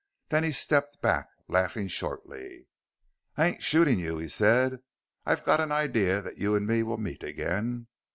Then he stepped back, laughing shortly. "I ain't shooting you," he said. "I've got an idea that you and me will meet again."